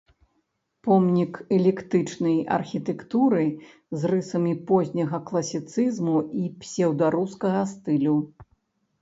Помнік эклектычнай архітэктуры з рысамі позняга класіцызму і псеўдарускага стылю.